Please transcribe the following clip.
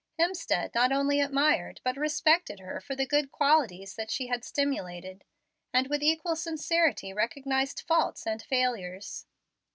Hemstead not only admired but respected her for the good qualities that she had simulated, and with equal sincerity recognized faults and failures.